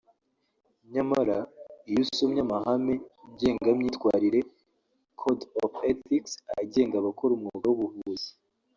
nyamara iyo usomye amahame ngengamyitwarire (Code of Ethics) agenga abakora umwuga w’ubuvuzi